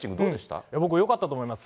僕よかったと思います。